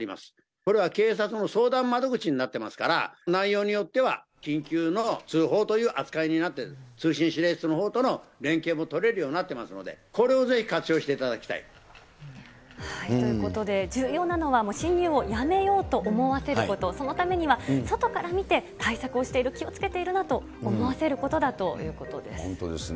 これは警察の相談窓口になっていますから、内容によっては、緊急の通報という扱いになって、通信指令室との連携も取れるようになってますので、これをぜひ活ということで、重要なのは、侵入をやめようと思わせること、そのためには、外から見て、対策をしている、気をつけているなと思わせることだということで本当ですね。